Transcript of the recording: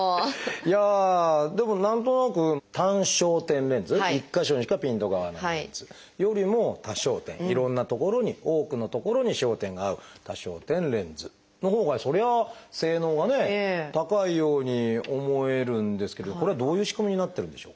いやあでも何となく単焦点レンズ１か所にしかピントが合わないレンズよりも多焦点いろんな所に多くの所に焦点が合う多焦点レンズのほうがそりゃ性能はね高いように思えるんですけどこれはどういう仕組みになってるんでしょうか？